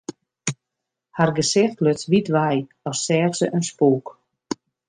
Har gesicht luts wyt wei, as seach se in spûk.